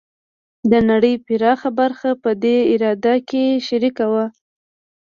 د نړۍ پراخه برخه په دې اراده کې شریکه وه.